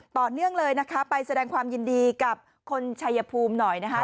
ต่อเนื่องเลยนะคะไปแสดงความยินดีกับคนชัยภูมิหน่อยนะคะ